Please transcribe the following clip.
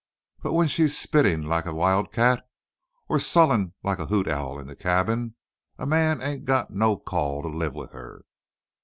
But when she's a spittin' like a wildcat or a sullenin' like a hoot owl in the cabin, a man ain't got no call to live with her."